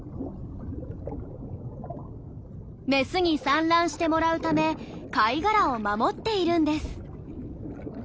メスに産卵してもらうため貝殻を守っているんです。